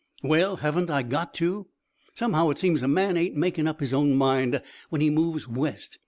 "Well, haven't I got to? Somehow it seems a man ain't making up his own mind when he moves West.